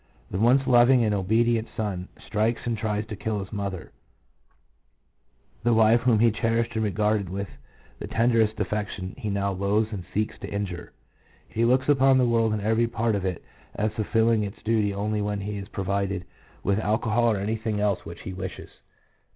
The once loving and obedient son strikes and tries to kill his mother; 1 the wife whom he cherished and regarded with the tenderest affection, he now loathes and seeks to injure. He looks upon the world and every part of it as fulfilling its duty only when he is provided with alcohol or anything else which he wishes.